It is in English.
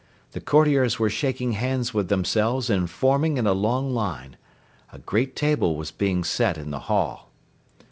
The courtiers were shaking hands with themselves and forming in a long line. A great table was being set in the hall.